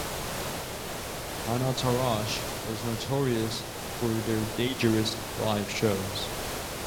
Hanatarash was notorious for their dangerous live shows.